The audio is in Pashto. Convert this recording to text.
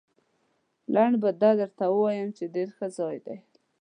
لنډ به درته ووایم، چې ډېر ښه ځای دی.